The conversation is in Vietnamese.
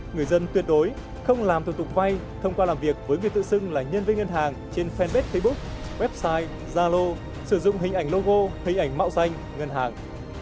người dân tuyệt đối không làm thủ tục vay thông qua làm việc với người tự xưng là nhân viên ngân hàng trên fanpage facebook zalo sử dụng hình ảnh logo hình ảnh mạo danh ngân hàng